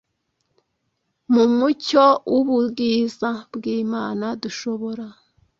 Mu mucyo w’ubwiza bw’Imana dushobora